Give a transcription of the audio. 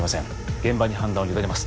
現場に判断を委ねます